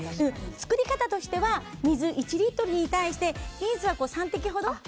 作り方としては水１リットルに対してリンスは３滴ほど。